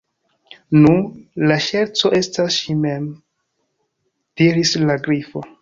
"Nu, la ŝerco estas ŝi mem," diris la Grifo.